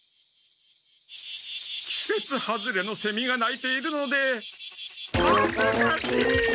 きせつ外れのセミが鳴いているのではずかしい！